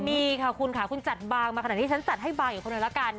มีค่ะคุณค่ะคุณจัดบางมาขนาดนี้ฉันจัดให้บางอีกคนหนึ่งละกัน